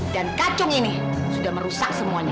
dan kacung ini sudah merusak semuanya